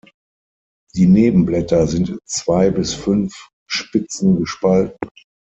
Die Nebenblätter sind in zwei bis fünf Spitzen gespalten.